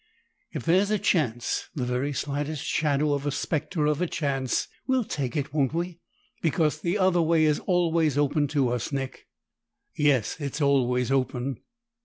"If there's a chance, the very slightest shadow of the specter of a chance, we'll take it, won't we? Because the other way is always open to us, Nick." "Yes. It's always open."